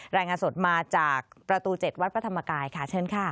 รายงานสดมาจากประตู๗วัดพระธรรมกายค่ะเชิญค่ะ